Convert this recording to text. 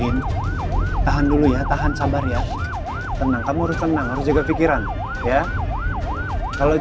tahan dulu ya tahan sabar ya tenang kamu harus tenang harus jaga pikiran ya kalau